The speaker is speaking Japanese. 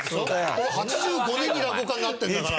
俺８５年に落語家になってるんだから。